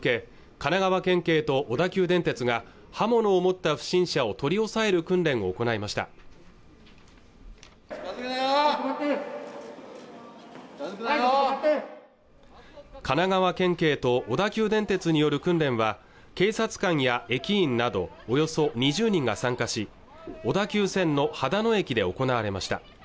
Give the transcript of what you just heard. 神奈川県警と小田急電鉄が刃物を持った不審者を取り押さえる訓練を行いました神奈川県警と小田急電鉄による訓練は警察官や駅員などおよそ２０人が参加し小田急線の秦野駅で行われました